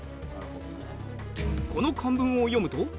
この漢文を読むと？